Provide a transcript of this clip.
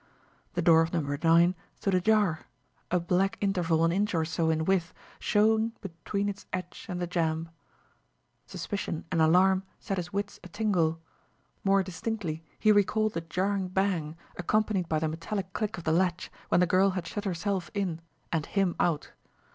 The door of Number 9 stood ajar, a black interval an inch or so in width showing between its edge and the jamb. Suspicion and alarm set his wits a tingle. More distinctly he recalled the jarring bang, accompanied by the metallic click of the latch, when the girl had shut herself in and him out.